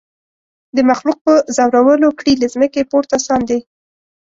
د مخلوق په زورولو کړي له مځکي پورته ساندي